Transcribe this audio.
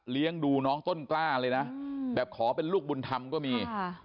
ดูน้องต้นกล้าเลยนะแบบขอเป็นลูกบุญธรรมก็มี